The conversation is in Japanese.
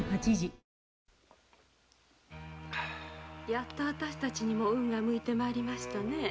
やっと私たちにも運が向いて参りましたねぇ。